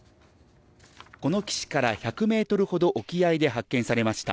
この岸から１００ｍほど沖合で発見されました。